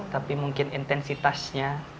tapi mungkin intensitasnya